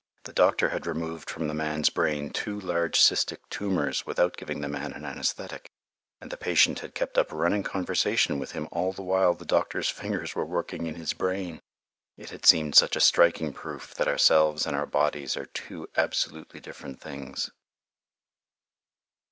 The doctor had removed from a man's brain two large cystic tumors without giving the man an anæsthetic, and the patient had kept up a running conversation with him all the while the doctor's fingers were working in his brain. It had seemed such a striking proof that ourselves and our bodies are two absolutely different things.